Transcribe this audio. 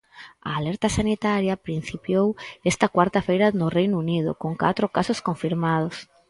A alerta sanitaria principiou esta cuarta feira no Reino Unido, con catro casos confirmados.